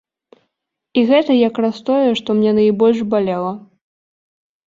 І гэта якраз тое, што мне найбольш балела.